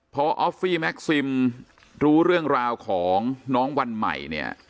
พอออฟฟี่แม็กซิมรู้เรื่องราวของน้องวันใหม่เนี่ย